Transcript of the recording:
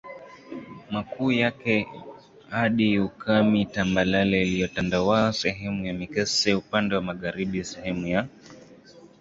makuu yake hadi Ukami Tambalale iliyotandawaaa sehemu ya Mikese upande wa Magharibi sehemu ya